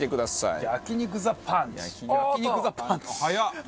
早っ！